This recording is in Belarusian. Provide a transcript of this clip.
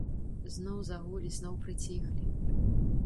Зноў загулі, зноў прыціхлі.